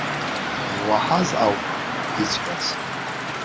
Иуаҳаз ауп исҳәаз!